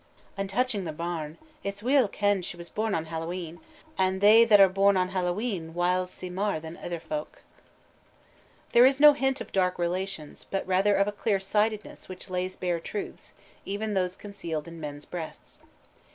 "And touching the bairn, it's weel kenn'd she was born on Hallowe'en, and they that are born on Hallowe'en whiles see mair than ither folk." There is no hint of dark relations, but rather of a clear sightedness which lays bare truths, even those concealed in men's breasts.